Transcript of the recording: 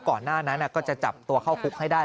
ก่อนหน้านั้นก็จะจับตัวเข้าคุกให้ได้